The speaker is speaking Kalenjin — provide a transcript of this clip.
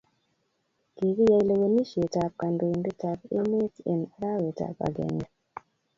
kikiyai lewenishet ab kandoindet ab emet en arawet ab agenge .